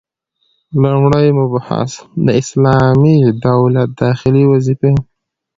لومړی مبحث: د اسلامي دولت داخلي وظيفي: